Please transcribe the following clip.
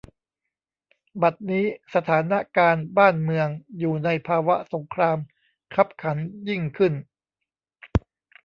บัดนี้ สถานะการณ์บ้านเมืองอยู่ในภาวะสงครามคับขันยิ่งขึ้น